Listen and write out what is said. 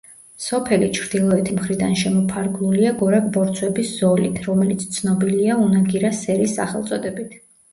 სოფელი ჩრდილოეთი მხრიდან შემოფარგლულია გორაკ–ბორცვების ზოლით, რომელიც ცნობილია „უნაგირას სერის“ სახელწოდებით.